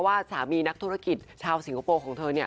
ว่าสามีนักธุรกิจชาวสิงคโปร์ของเธอเนี่ย